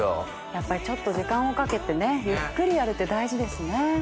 やっぱりちょっと時間をかけてねゆっくりやるって大事ですね。